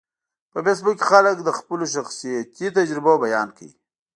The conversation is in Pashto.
په فېسبوک کې خلک د خپلو شخصیتي تجربو بیان کوي